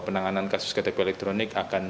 penanganan kasus ktp elektronik akan